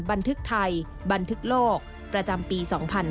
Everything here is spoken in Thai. บันทึกไทยบันทึกโลกประจำปี๒๕๕๙